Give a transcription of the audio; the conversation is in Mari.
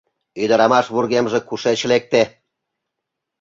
Ӱдырамаш вургемже кушеч лекте?